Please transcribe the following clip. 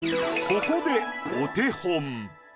ここでお手本。